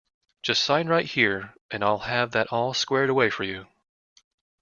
Just sign right here and I’ll have that all squared away for you.